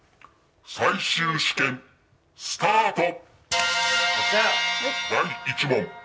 最終試験スタート！